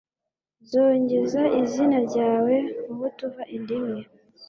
nzogeza izina ryawe mu bo tuva inda imwe